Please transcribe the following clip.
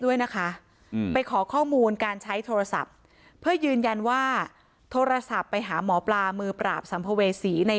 ด้วยนะคะไปขอข้อมูลการใช้โทรศัพท์เพื่อยืนยันว่าโทรศัพท์ไปหามหมาว์ปลามือปราบสัมพเวสีฟรุษตรงด้านต้าน